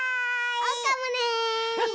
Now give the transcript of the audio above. おうかもね！